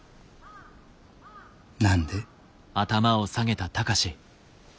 何で？